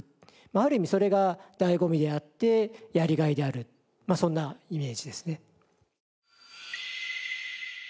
ある意味それが醍醐味であってやりがいであるそんなイメージですね。